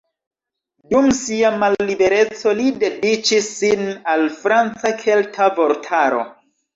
Dum sia mallibereco, li dediĉis sin al franca-kelta vortaro.